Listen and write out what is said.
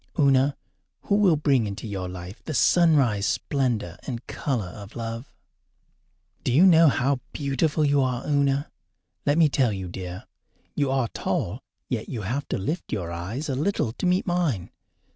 Una, who will bring into your life the sunrise splendour and colour of love? Do you know how beautiful you are, Una? Let me tell you, dear. You are tall, yet you have to lift your eyes a little to meet mine.